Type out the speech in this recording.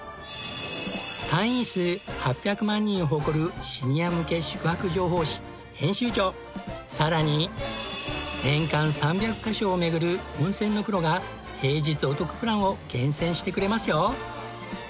会員数８００万人を誇るシニア向け宿泊情報誌編集長さらに年間３００カ所を巡る温泉のプロが平日お得プランを厳選してくれますよ！